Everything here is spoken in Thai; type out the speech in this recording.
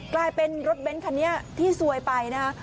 กลายเป็นรถเบ้นคันนี้ที่ซวยไปนะฮะ